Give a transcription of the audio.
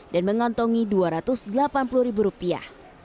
dan mengontongi dua ratus delapan puluh ribu rupiah